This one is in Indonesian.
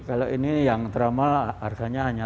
kalau ini yang tromol harganya hanya tujuh puluh